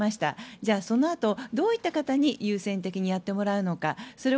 じゃあそのあと、どういった方に優先的にやってもらうのかやってもらうのか。